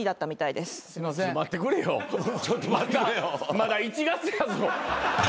まだ１月やぞ。